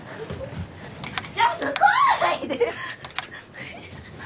ちょっと来ないでよ！